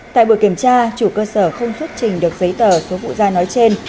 tại buổi kiểm tra chủ cơ sở không xuất trình được giấy tờ số phụ da nói trên